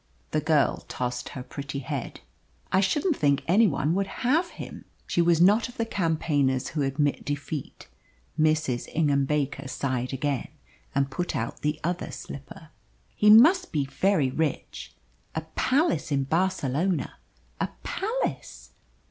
The girl tossed her pretty head. "I shouldn't think any one would have him!" She was not of the campaigners who admit defeat. Mrs. Ingham Baker sighed again, and put out the other slipper. "He must be very rich! a palace in Barcelona a palace!"